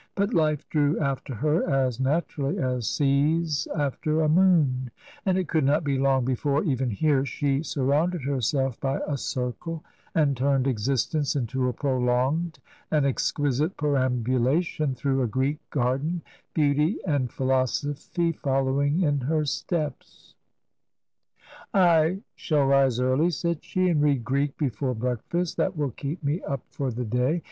But life drew after her as naturally as seas after a moon; and it could not be long before — even here — ^she surrounded herself by "a circle," and turned existence into a prolonged and exquisite peram ; bulation through a Greek garden, beauty and philosopfiy following in her steps. ^^^// 12 TRANSITION. " I shall rise early," said she, " and read Greek before breakfast. That will keep me up for the day.